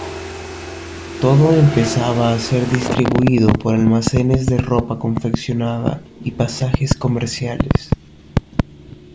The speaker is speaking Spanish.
Todo empezaba a ser distribuido por almacenes de ropa confeccionada y pasajes comerciales.